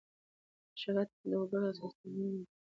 د شکایت حق د وګړو اساسي تضمین ګڼل کېږي.